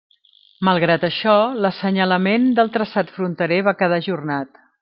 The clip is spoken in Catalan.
Malgrat això, l'assenyalament del traçat fronterer va quedar ajornat.